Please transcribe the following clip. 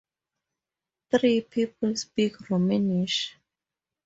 Three people speak Romansh.